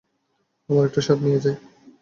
আমার একটা শার্ট নিয়ে আয়।